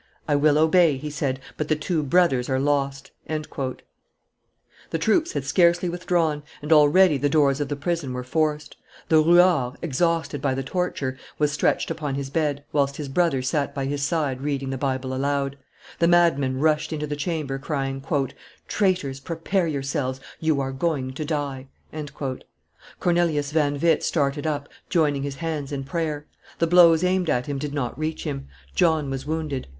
"I will obey," he said, "but the two brothers are lost." [Illustration: The Brothers Witt 436] The troops had scarcely withdrawn, and already the doors of the prison were forced; the ruart, exhausted by the torture, was stretched upon his bed, whilst his brother sat by his side reading the Bible aloud; the madmen rushed into the chamber, crying, "Traitors, prepare yourselves; you are going to die." Cornelius van Witt started up, joining his hands in prayer; the blows aimed at him did not reach him. John was wounded.